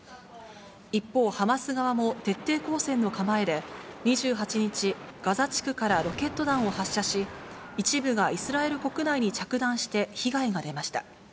一方、ハマス側も徹底抗戦の構えで、２８日、ガザ地区からロケット弾を発射し、一部がイスラエル国内に着弾して被害が出ました。